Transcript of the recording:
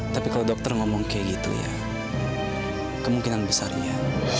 tapi kalau dokter ngomong kayak gitu ya kemungkinan besarnya